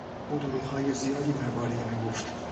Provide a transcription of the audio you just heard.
او دروغهای زیادی دربارهی من گفت.